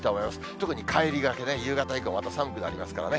特に帰りがけね、夕方以降はまた寒くなりますからね。